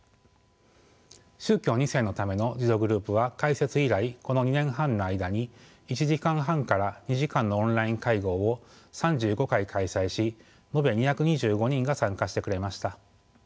宗教２世のための自助グループは開設以来この２年半の間に１時間半から２時間のオンライン会合を３５回開催し延べ２２５人が参加してくれました。